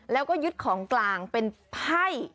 แล้วก็ยึดของกลางเป็นไพ่